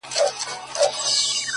د زلفو بڼ كي د دنيا خاوند دی؛